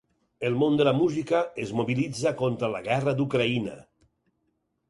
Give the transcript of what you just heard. El món de la música es mobilitza contra la guerra d’Ucraïna.